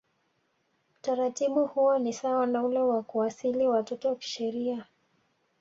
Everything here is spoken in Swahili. Utaratibu huo ni sawa na ule wa kuasili watoto kisheria